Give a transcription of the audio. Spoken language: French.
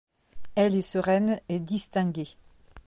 Elle est sereine et distinguée.